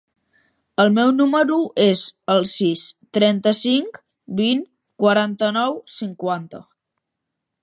El meu número es el sis, trenta-cinc, vint, quaranta-nou, cinquanta.